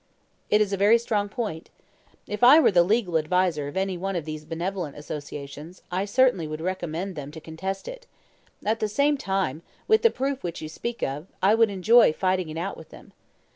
"It is a very strong point. If I were the legal adviser of any one of these benevolent associations, I certainly would recommend them to contest it; at the same time, with the proof which you speak of, I would enjoy fighting it out with them.